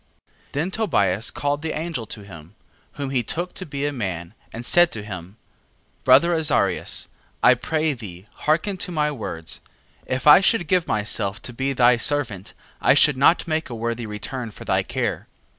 9:1. Then Tobias called the angel to him, whom he took to be a man, and said to him: Brother Azarias, I pray thee hearken to my words: 9:2. If I should give myself to be thy servant I should not make a worthy return for thy care.